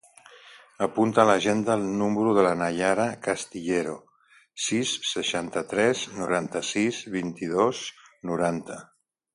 Apunta a l'agenda el número de la Nayara Castillero: sis, seixanta-tres, noranta-sis, vint-i-dos, noranta.